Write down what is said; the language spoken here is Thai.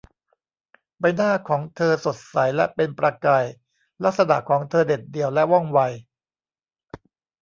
ใบหน้าของเธอสดใสและเป็นประกายลักษณะของเธอเด็ดเดี่ยวและว่องไว